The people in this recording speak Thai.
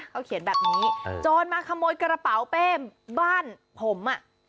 เขาเขียนแบบนี้โจรมาขโมยกระเป๋าเป้บ้านผมอ่ะ